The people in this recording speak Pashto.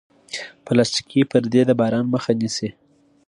پلاستيکي پردې د باران مخه نیسي.